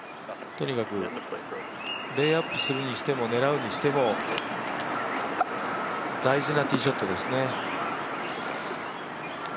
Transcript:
とにかくレイアップするにしても、狙うにしても大事なティーショットですね。